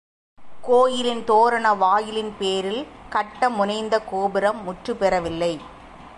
கோயிலின் தோரண வாயிலின் பேரில் கட்ட முனைந்த கோபுரம் முற்றுப் பெறவில்லை.